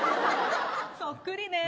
そっくりね。